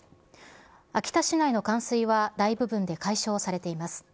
秋田市内の冠水は大部分で解消されています。